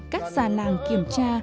các già làng kiểm tra